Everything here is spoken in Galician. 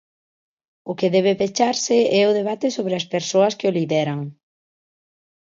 O que debe pecharse é o debate sobre as persoas que o lideran.